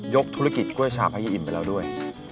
ยกธุรกิจกุ้ยฉาบให้ยายอิ่มไปแล้วด้วย